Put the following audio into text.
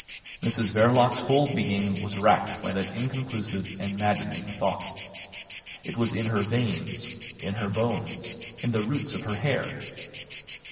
Mrs Verloc's whole being was racked by that inconclusive and maddening thought. It was in her veins, in her bones, in the roots of her hair.